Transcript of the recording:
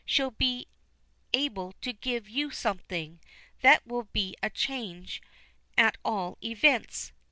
She'll be able to give you something. That will be a change, at all events.